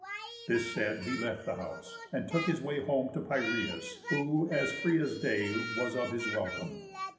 This said, he left the house, and took his way Home to Piræus; who, as free as day, Was of his welcome.